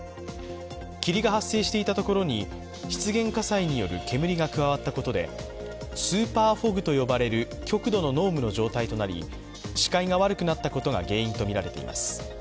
霧が発生していたところに湿原火災による煙が加わったことでスーパー・フォッグと呼ばれる極度の濃霧の状態となり視界が悪くなったことが原因とみられています。